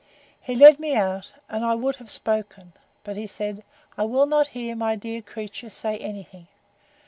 —He led me out, and I would have spoken; but he said, I will not hear my dear creature say any thing!